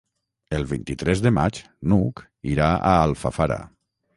El vint-i-tres de maig n'Hug irà a Alfafara.